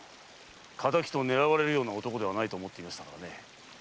敵と狙われるような男ではないと思ってましたので。